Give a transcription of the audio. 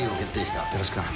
よろしくな。